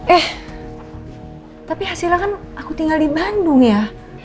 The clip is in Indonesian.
eh tapi hasilnya kan aku tinggal di bandung ya